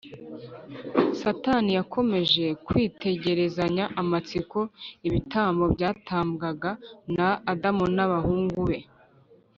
. Satani yakomeje kwitegerezanya amatsiko ibitambo byatambwaga na Adamu n’abahungu be